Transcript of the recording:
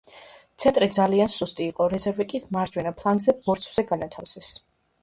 ცენტრი ძალიან სუსტი იყო, რეზერვი კი მარჯვენა ფლანგზე ბორცვზე განათავსეს.